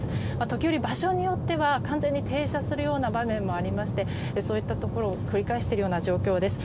時折、場所によっては完全に停車するような場面もありましてそういったことを繰り返している状況です。